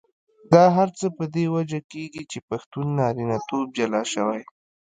دا هر څه په دې وجه کېږي چې پښتون نارینتوب جلا شوی.